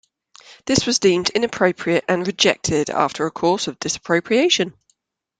This was deemed inappropriate and rejected, after a "chorus of disapprobation".